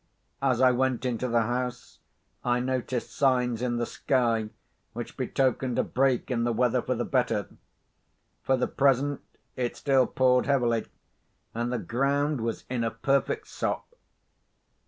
As I went into the house, I noticed signs in the sky which betokened a break in the weather for the better. For the present, it still poured heavily, and the ground was in a perfect sop.